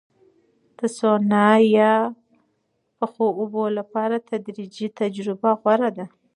د سونا یا یخو اوبو لپاره تدریجي تجربه غوره ده.